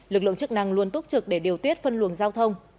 lực lượng chức năng luôn túc trực để điều tiết phân luồng giao thông